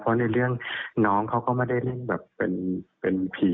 เพราะในเรื่องน้องเขาก็ไม่ได้เล่นแบบเป็นผี